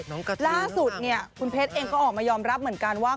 น้องกระทืนมากมากล่าสุดคุณเพชรเองก็ออกมายอมรับเหมือนกันว่า